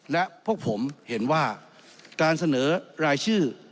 และพวกผมเห็นว่าการเสนอรายชื่อ